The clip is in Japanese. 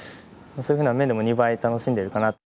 そういうふうな面でも２倍楽しんでいるかな。